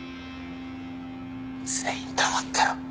全員黙ってろ。